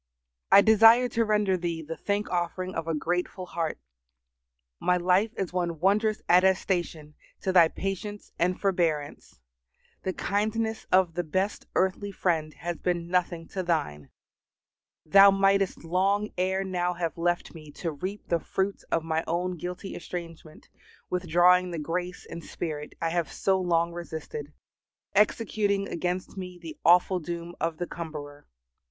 I desire to render Thee the thank offering of a grateful heart. My life is one wondrous attestation to Thy patience and forbearance. The kindness of the best earthly friend has been nothing to Thine. Thou mightest long ere now have left me to reap the fruits of my own guilty estrangement, withdrawing the grace and Spirit I have so long resisted, executing against me the awful doom of the cumberer.